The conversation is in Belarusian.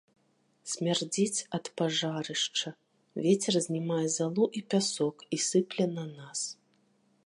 Смярдзіць ад пажарышча, вецер узнімае залу і пясок і сыпле на нас.